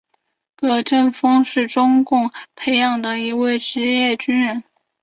葛振峰是中共培养的一位职业军人。